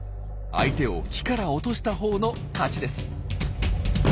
相手を木から落としたほうの勝ちです。